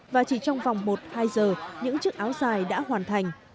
và chỉ trong vòng một hai giờ những chiếc áo dài đã hoàn thành